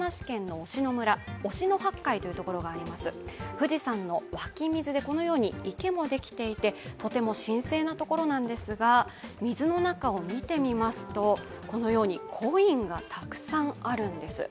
富士山の湧き水でこのように池もできていてとても神聖なところなんですが、水の中を見てみますと、このようにコインがたくさんあるんです。